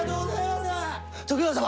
徳川様！